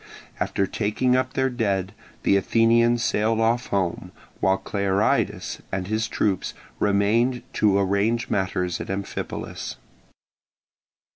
After taking up their dead the Athenians sailed off home, while Clearidas and his troops remained to arrange matters at Amphipolis.